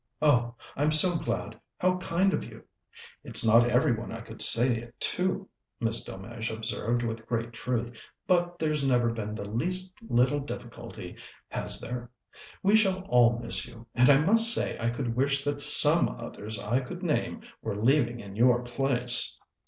"Oh, I'm so glad! How kind of you!" "It's not every one I could say it to," Miss Delmege observed, with great truth. "But there's never been the least little difficulty, has there? We shall all miss you, and I must say I could wish that some others I could name were leaving in your place."